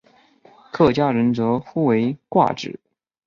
客家人则呼为挂纸。